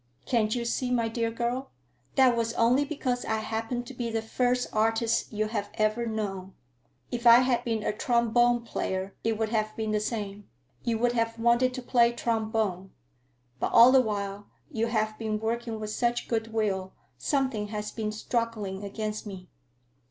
"Can't you see, my dear girl, that was only because I happened to be the first artist you have ever known? If I had been a trombone player, it would have been the same; you would have wanted to play trombone. But all the while you have been working with such good will, something has been struggling against me.